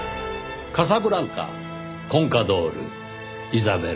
カサブランカコンカドールイザベラ。